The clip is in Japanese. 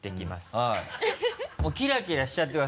はい。